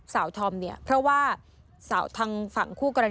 สาวธอมเนี่ยเพราะว่า